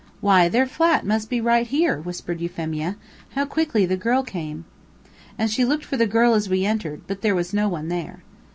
"Why, their flat must be right here," whispered Euphemia. "How quickly the girl came!" And she looked for the girl as we entered. But there was no one there.